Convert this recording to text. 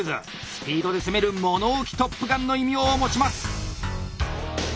スピードで攻める物置トップガンの異名を持ちます。